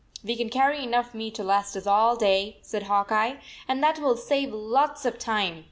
"We can carry enough meat to last us all day," said Hawk Eye, "and that will save lots of time.